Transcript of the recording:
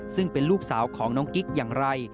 ซึ่งเป็นลูกสาวของน้องกิ๊กอย่างไร